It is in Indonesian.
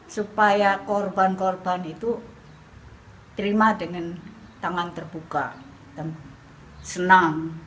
supaya korban korban itu terima dengan tangan terbuka dan senang